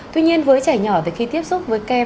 tuy nhiên với trẻ nhỏ thì khi tiếp xúc với kem